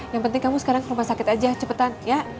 yang penting kamu sekarang ke rumah sakit aja cepetan ya